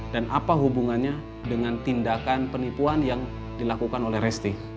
dan apa hubungannya dengan tindakan penipuan yang dilakukan oleh resti